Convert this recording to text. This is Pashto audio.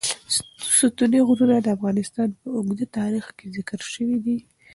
ستوني غرونه د افغانستان په اوږده تاریخ کې ذکر شوی دی.